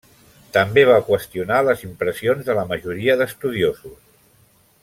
També va qüestionar les impressions de la majoria d'estudiosos.